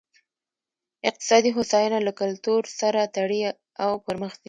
اقتصادي هوساینه له کلتور سره تړي او پرمخ ځي.